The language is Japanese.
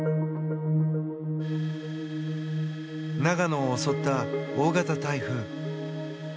長野を襲った大型台風。